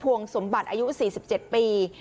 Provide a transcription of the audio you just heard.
วงสมบัติอายุ๔๗ปี